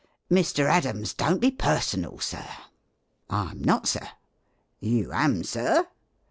Mr. Addams, don't be personal, Sir !"" I'm not, Sir." "You am. Sir